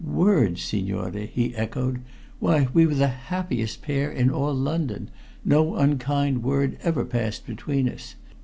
"Words, signore!" he echoed. "Why, we were the happiest pair in all London. No unkind word ever passed between us.